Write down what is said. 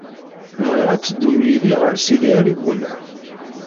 Bɣiɣ ad teddum yid-i ɣer Sidi Ɛli Bunab.